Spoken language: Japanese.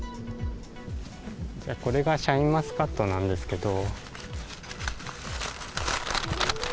これがシャインマスカットなんですけど。